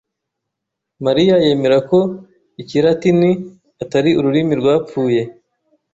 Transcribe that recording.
Mariya yemera ko Ikilatini atari ururimi rwapfuye.